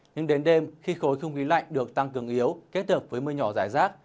nhưng đến đêm khi khối không khí lạnh được tăng cường yếu kết hợp với mưa nhỏ rải rác